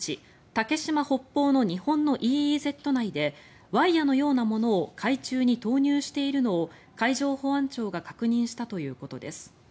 竹島北方の日本のＥＥＺ内でワイヤのようなものを海中に投入しているのを海上保安庁が確認したということです。